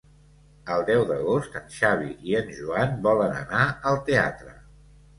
El deu d'agost en Xavi i en Joan volen anar al teatre.